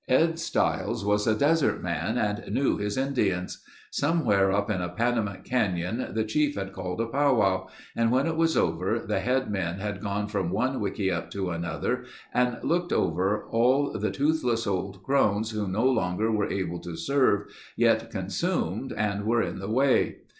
Ed Stiles was a desert man and knew his Indians. Somewhere up in a Panamint canyon the chief had called a powwow and when it was over the head men had gone from one wickiup to another and looked over all the toothless old crones who no longer were able to serve, yet consumed and were in the way.